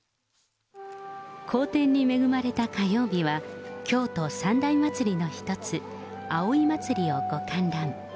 好天に恵まれた火曜日は、京都三大祭りの一つ、葵祭をご観覧。